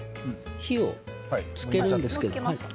火をつけるんですけれど。